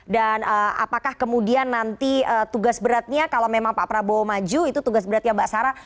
dan apakah kemudian nanti tugas beratnya kalau memang pak prabowo maju itu tugas beratnya mbak sarah